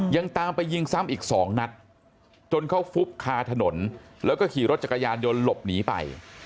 ยังตามไปยิงซ้ำอีก๒นัดจนเขาฟุบคาถนนแล้วก็ขี่รถจักรยานยนต์หลบหนีไป